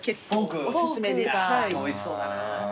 確かにおいしそうだな。